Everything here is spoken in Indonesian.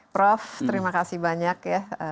prof terima kasih banyak